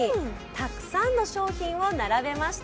たくさんの商品を並べました。